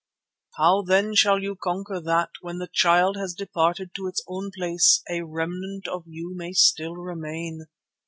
"How then shall you conquer that, when the Child has departed to its own place, a remnant of you may still remain?